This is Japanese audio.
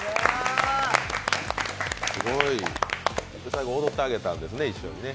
最後踊ってあげたんですね、一緒にね。